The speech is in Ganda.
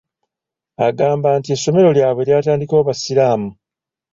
Agamba nti essomero lyabwe lyatandikibwawo Basiraamu.